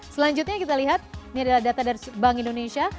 selanjutnya kita lihat ini adalah data dari bank indonesia